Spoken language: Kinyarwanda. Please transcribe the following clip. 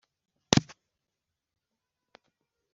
utunyabiziga twabana n’utwibimuga